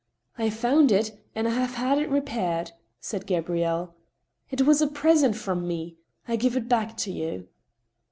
" I found it, and I have had it repaired," said Gabrielle. " It was a present from me. I give it back to you."